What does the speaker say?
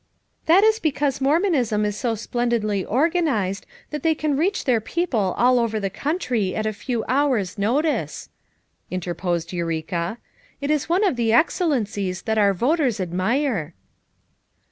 "That is because Mormonism is so splendidly organized that they can reach their people all over the country at a few hours' notice," inter posed Eureka. "It is one of the excellencies that our voters admire."